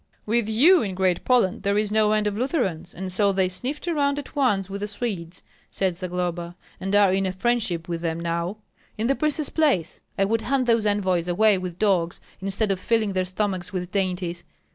"With you in Great Poland there is no end of Lutherans, and so they sniffed around at once with the Swedes," said Zagloba, "and are in friendship with them now. In the prince's place, I would hunt those envoys away with dogs, instead of filling their stomachs with dainties.